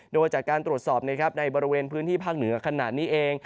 โดยจากการตรวจสอบในบริเวณพื้นที่ภาคเหนือขนาดนี้เอง